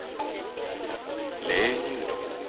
０ニュートン。